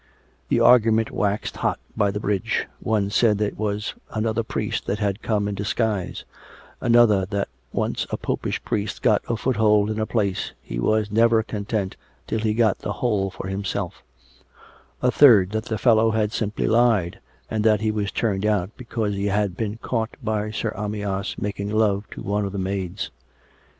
The argument waxed hot by the bridge. One said that it was another priest that was come in disguise; another, that once a Popish priest got a foothold in a place he was never content till he got the whole for himself; a third, that the fellow had simply lied, and that he was turned out because he had been caught by Sir Amyas making love to one of the maids.